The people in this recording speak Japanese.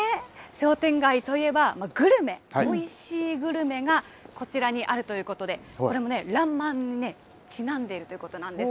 商店街といえばグルメ、おいしいグルメがこちらにあるということで、これもらんまんにちなんでいるということなんです。